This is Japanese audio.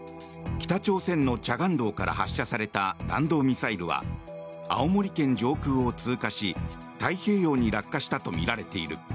北朝鮮の慈江道から発射された弾道ミサイルは青森県上空を通過し、太平洋に落下したとみられている。